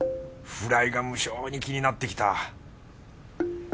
フライが無性に気になってきた